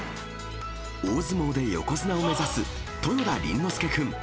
大相撲で横綱を目指す豊田倫之亮君。